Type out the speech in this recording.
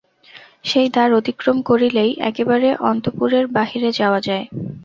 সেই দ্বার অতিক্রম করিলেই একেবারে অন্তঃপুরের বাহিরে যাওয়া যায়।